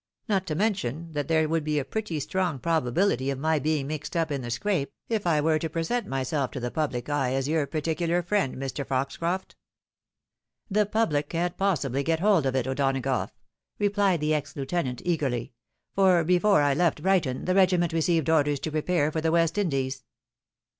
Not to mention that there wotdd be a pretty strong probability of my being mix^d up in the scrape, if I were to present myself to the pubho eye as your particular friend,, Mr. Foxcroft." ^^ The public can't possibly get hold of, it, O'Donagough,'' rephed^ the ex heutenant, eagerly, " for before I left Brighton, the regiment received orders to prepare for the West Indies."